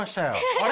あれ？